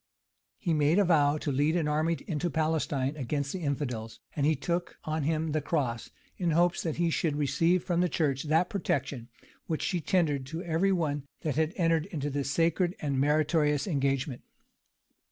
[*] He made a vow to lead an army into Palestine against the infidels, and he took on him the cross, in hopes that he should receive from the church that protection which she tendered to every one that had entered into this sacred and meritorious engagement.